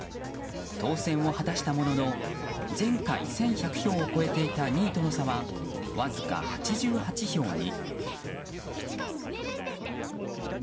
当選は果たしたものの前回１１００票を超えていた２位との差は、わずか８８票に。